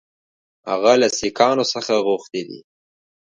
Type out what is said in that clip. هغه له سیکهانو څخه غوښتي دي.